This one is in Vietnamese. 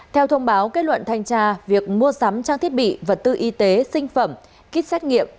theo thông báo kết luận thanh tra việc mua sắm trang thiết bị vật tư y tế sinh phẩm kit xét nghiệm